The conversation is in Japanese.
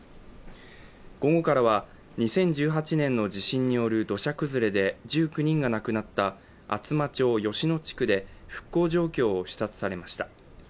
午後からは、２０１８年の地震による土砂崩れで１９人が亡くなった厚真町吉野地区で復興状況を視察されました。